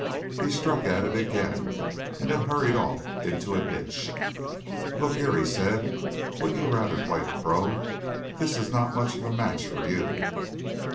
He struck at it again and it hurried off into a ditch. "Look here," he said, "wouldn't you rather play the pro.? This is not much of a match for you."